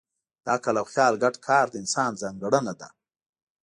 د عقل او خیال ګډ کار د انسان ځانګړنه ده.